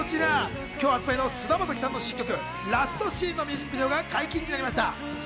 今日発売の菅田将暉さんの新曲『ラストシーン』のミュージックビデオが解禁になりました。